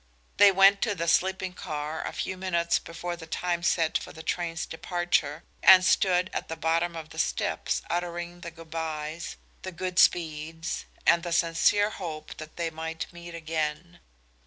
They went to the sleeping car a few minutes before the time set for the train's departure, and stood at the bottom of the steps, uttering the good bys, the God speeds and the sincere hope that they might meet again.